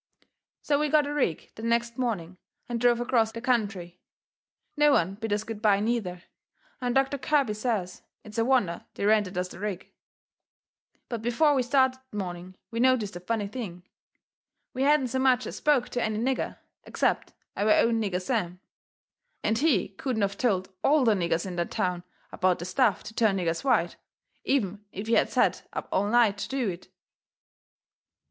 So we got a rig the next morning and drove acrost the country. No one bid us good bye, neither, and Doctor Kirby says it's a wonder they rented us the rig. But before we started that morning we noticed a funny thing. We hadn't so much as spoke to any nigger, except our own nigger Sam, and he couldn't of told ALL the niggers in that town about the stuff to turn niggers white, even if he had set up all night to do it.